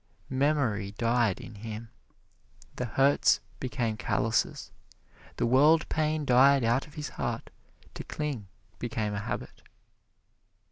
Memory died in him, the hurts became calluses, the world pain died out of his heart, to cling became a habit.